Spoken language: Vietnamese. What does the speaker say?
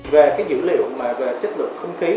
về dữ liệu về chất lượng không khí